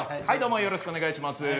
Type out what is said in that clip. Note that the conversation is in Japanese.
はいどうもよろしくお願いします。